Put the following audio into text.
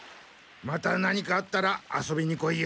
また何かあったら遊びに来いよ。